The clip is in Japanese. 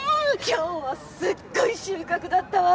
今日はすっごい収穫だったわ